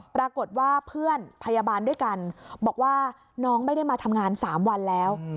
ปรากฏว่าเพื่อนพยาบาลด้วยกันบอกว่าน้องไม่ได้มาทำงาน๓วันแล้ว